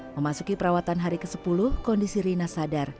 memasuki perawatan hari ke sepuluh kondisi rina sadar